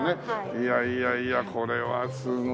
いやいやいやこれはすごいね。